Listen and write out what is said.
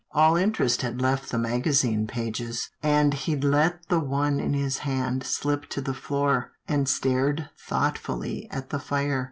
All interest had left the magazine pages, and he let the one in his hand slip to the floor, and stared thoughtfully at the fire.